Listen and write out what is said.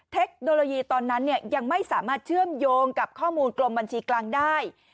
เทคโนโลยีตอนนั้นยังไม่สามารถเชื่อมโยงกับข้อมูลกรมบัญชีกลางได้